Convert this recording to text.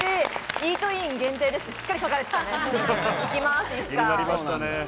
イートイン限定ですって、しっかり書かれてたね。